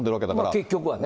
結局はね。